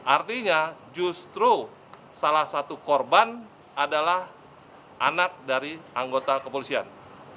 artinya justru salah satu korban adalah anak dari anggota kepolisian